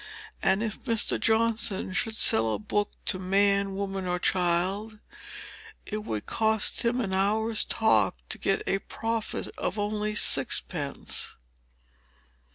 And if Mr. Johnson should sell a book to man, woman, or child, it would cost him an hour's talk to get a profit of only sixpence.